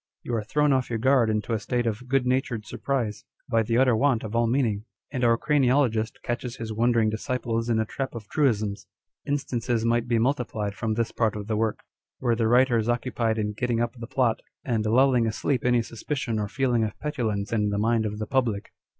You are thrown off your guard into a state of good natured surprise, by the utter want of all meaning ; and our craniologist catches his wondering disciples in a trap of truisms. Instances might be multiplied from this part of the work, where the writer is occupied in getting up the plot, and lulling asleep any suspicion or feeling of petulance in the mind of the public.